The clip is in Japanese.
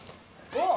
おっ！